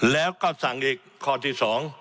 แล้วก็สั่งอีกข้อที่๒